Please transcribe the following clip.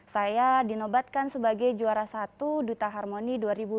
saya dinobatkan sebagai juara satu duta harmoni dua ribu dua puluh